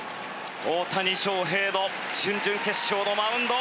大谷翔平の準々決勝のマウンド。